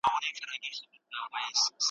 که مشوره وي نو لاره نه غلطیږي.